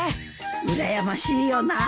うらやましいよな。